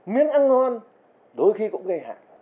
miếng ăn ngon đôi khi cũng gây hại